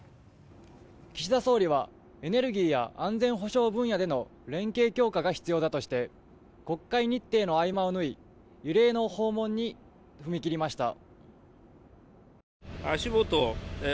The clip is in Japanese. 岸田総理はエネルギーや安全保障分野での連携強化が必要だとして国会日程の合間を縫い異例の訪問に踏み切りました。